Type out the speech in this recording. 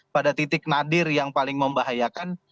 pada titik nadir yang paling membahayakan